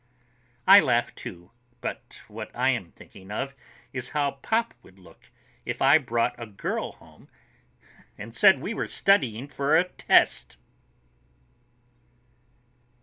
I laugh, too, but what I'm thinking of is how Pop would look if I brought a girl home and said we were studying for a test!